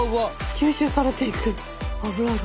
吸収されていく油が。